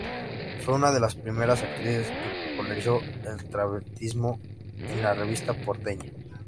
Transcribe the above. Fue una de las primeras actrices que popularizó el travestismo en la revista porteña.